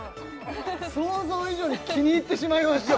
想像以上に気に入ってしまいました